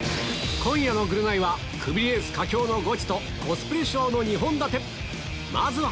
今夜の『ぐるナイ』はクビレース佳境のゴチと「コスプレショー」の２本立てまずはは！